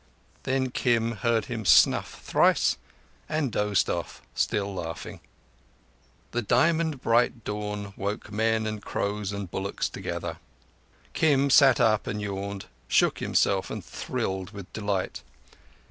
Then Kim heard him snuff thrice, and dozed off, still laughing. The diamond bright dawn woke men and crows and bullocks together. Kim sat up and yawned, shook himself, and thrilled with delight.